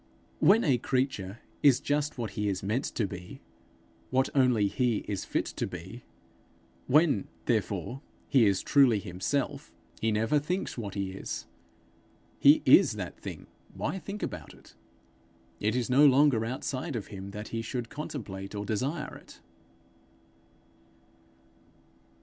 When a creature is just what he is meant to be, what only he is fit to be; when, therefore, he is truly himself, he never thinks what he is. He is that thing; why think about it? It is no longer outside of him that he should contemplate or desire it.